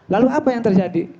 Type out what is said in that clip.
lalu apa yang terjadi